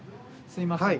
すいません。